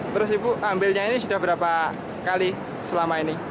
terus ibu ambilnya ini sudah berapa kali selama ini